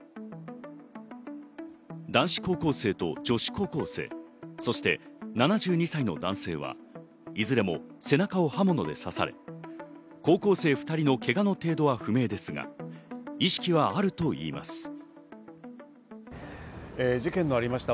男子高校生と女子高校生そして７２歳の男性はいずれも背中を刃物で刺され、高校生２人のけがの程度は不明ですが、意識はあるといいます。